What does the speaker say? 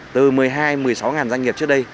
từ một mươi hai một mươi sáu doanh nghiệp trước đây